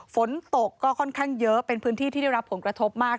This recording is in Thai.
ฝนตกก็ค่อนข้างเยอะเป็นพื้นที่ที่ได้รับผลกระทบมาก